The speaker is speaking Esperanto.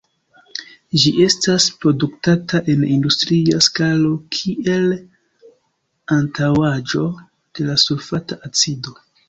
Ĝi estas produktata en industria skalo kiel antaŭaĵo de la sulfata acido.